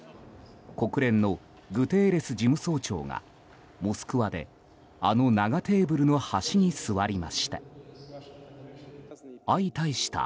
国連のグテーレス事務総長がモスクワであの長テーブルの端に座りました。